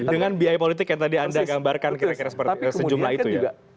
dengan biaya politik yang tadi anda gambarkan kira kira sejumlah itu ya